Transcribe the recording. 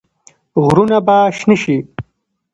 غرونه به شنه شي.